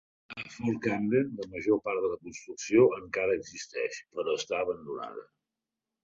A Fort Camden, la major part de la construcció encara existeix però està abandonada.